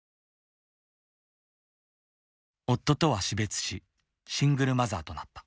夫とは死別しシングルマザーとなった。